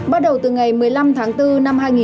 bắt đầu từ ngày một mươi năm tháng bốn